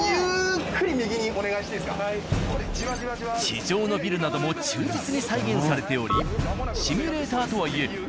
地上のビルなども忠実に再現されておりシミュレーターとはいえ臨場感抜群。